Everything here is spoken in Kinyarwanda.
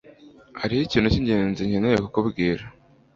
Hariho ikintu cyingenzi nkeneye kukubwira.